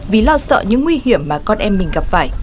vì lo sợ những nguy hiểm mà con em mình gặp phải